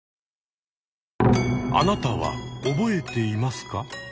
あなたは覚えていますか？